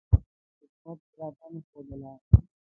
حکومت علاقه نه ښودله.